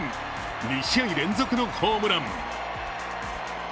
２試合連続のホームラン。